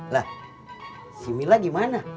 lah si mila gimana